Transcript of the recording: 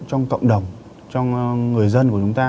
trong cộng đồng trong người dân của chúng ta